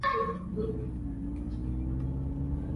هغه له سوخته دنیا ته لته ورکړې ده